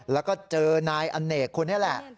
แล้วก็เจอนายอเนกคนนี้แหละ